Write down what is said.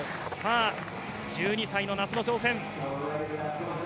１２歳の夏の挑戦。